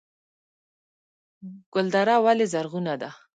ګلدره ولې زرغونه ده؟